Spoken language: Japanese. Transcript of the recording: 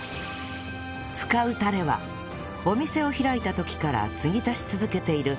使うタレはお店を開いた時から継ぎ足し続けている